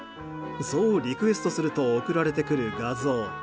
そうリクエストすると送られてくる画像。